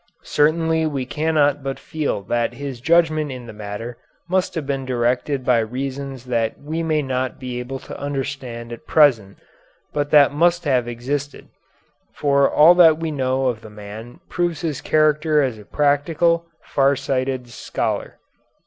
Certainly we cannot but feel that his judgment in the matter must have been directed by reasons that we may not be able to understand at present, but that must have existed, for all that we know of the man proves his character as a practical, far sighted scholar.